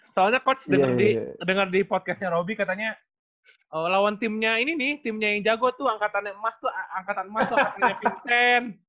soalnya coach dengar di podcastnya roby katanya lawan timnya ini nih timnya yang jago tuh angkatan emas tuh angkatan emas tuh pakai davidson